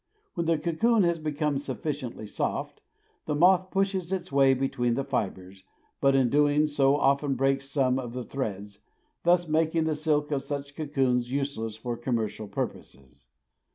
When the cocoon has become sufficiently soft, the moth pushes its way between the fibres, but in doing so often breaks some of the threads, thus making the silk of such cocoons useless for commercial purposes.